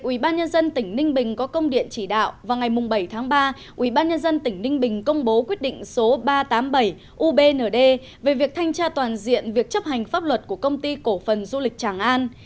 ủy ban nhân dân tỉnh ninh bình công bố quyết định số ba trăm tám mươi bảy ubnd về việc thanh tra toàn diện việc chấp hành pháp luật của công ty cổ phần du lịch tràng an